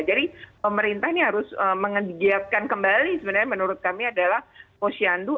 jadi pemerintah ini harus menggigitkan kembali sebenarnya menurut kami adalah posyandu